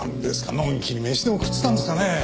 のんきに飯でも食ってたんですかねえ？